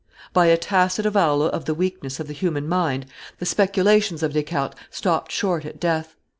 By a tacit avowal of the weakness of the human mind, the speculations of Descartes stopped short at death.